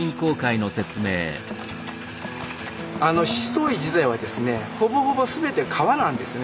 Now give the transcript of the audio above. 七島藺自体はですねほぼほぼすべて皮なんですね。